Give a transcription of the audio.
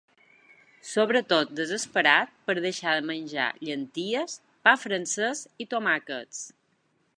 Sobretot desesperat per deixar de menjar llenties, pa francès i tomàquets.